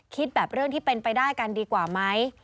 คิดแบบเรื่องที่เป็นไปได้กันดีกว่าไหม